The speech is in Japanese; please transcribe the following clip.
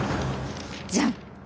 じゃん！